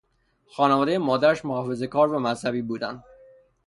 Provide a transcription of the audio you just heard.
خانوادهی مادرش محافظه کار و مذهبی بودند.